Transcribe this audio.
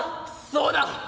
「そうだ！